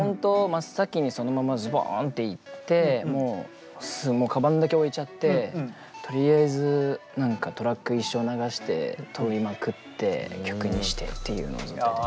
真っ先にそのままズボンって行ってもうかばんだけ置いちゃってとりあえず何かトラック一生流して録りまくって曲にしてっていうのをやってて。